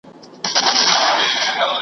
له خپل پلاره دي وانه خيستل پندونه .